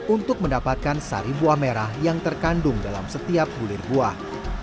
untuk mendapatkan sari buah merah yang terkandung dalam setiap bulir buah